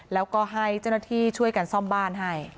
แล้วก็ให้เจ้าหน้าที่ช่วยกันซ่อมบ้านให้